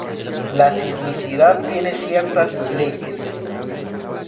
La sismicidad tiene ciertas leyes.